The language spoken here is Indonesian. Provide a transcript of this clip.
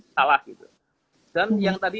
salah dan yang tadi